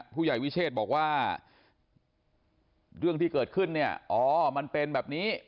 ผู้ใหญ่วิเชษบอกว่าเรื่องที่เกิดขึ้นเนี่ยอ๋อมันเป็นแบบนี้